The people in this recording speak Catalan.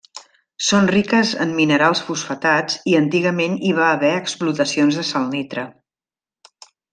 Són riques en minerals fosfatats i antigament hi va haver explotacions de salnitre.